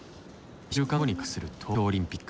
１週間後に開幕する東京オリンピック。